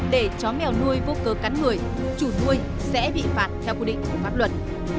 để chó mèo nuôi vô cơ cắn người chủ nuôi sẽ bị phạt theo quy định của pháp luật